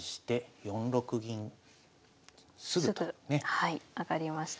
はい上がりました。